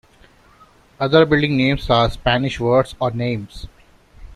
Other building names are Spanish words or names.